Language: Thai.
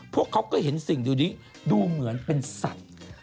พวกเขาก็เห็นสิ่งดีดูเหมือนเป็นสัตว์